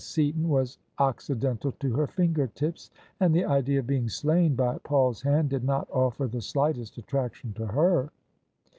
Seaton was Occidental to her finger tips: and the idea of being slain by Paul's hand did not o£Eer the slightest attraction to her.